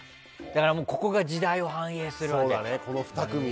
だから、ここが時代を反映するね。